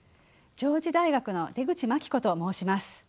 上智大学の出口真紀子と申します。